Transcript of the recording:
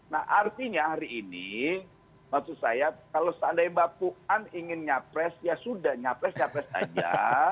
nah artinya hari ini maksud saya kalau seandainya mbak puan ingin nyapres ya sudah nyapres capres saja